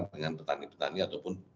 dengan petani petani ataupun